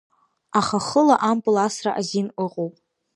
Аха хыла ампыл асра азин ыҟоуп.